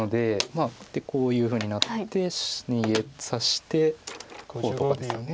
まあこういうふうになって逃げさせてこうとかですよね。